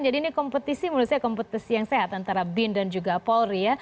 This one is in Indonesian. jadi ini menurut saya kompetisi yang sehat antara bin dan juga polri